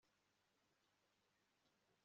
ariko bwari bwije